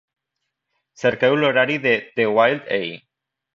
Cerqueu l'horari de The Wild Eye.